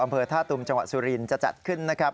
อำเภอท่าตุมจังหวัดสุรินทร์จะจัดขึ้นนะครับ